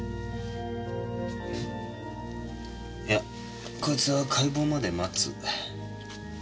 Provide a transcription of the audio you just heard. いやこいつは解剖まで待つ。